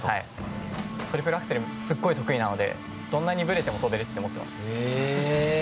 トリプルアクセルはすごい得意なのでどんなにぶれても跳べるって思ってました。